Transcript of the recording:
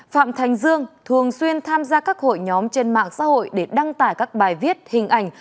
phạm thành dương thường xuyên tham gia các hội nhóm trên mạng xã hội để đăng tải các bài viết hình ảnh